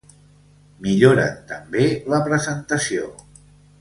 Milloren també la presentació.